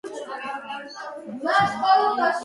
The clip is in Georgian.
ხოტევის ციხე ძალზედ მტკიცე და ძნელად ასაღები ყოფილა.